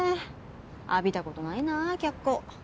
あびたことないな脚光。